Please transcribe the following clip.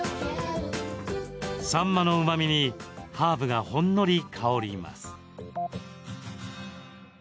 サンマのうまみにハーブがほんのり香ります。